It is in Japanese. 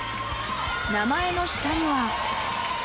名前の下には。